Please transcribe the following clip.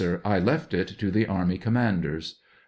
I left it to the army commanders.